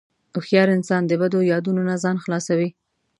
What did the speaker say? هوښیار انسان د بدو یادونو نه ځان خلاصوي.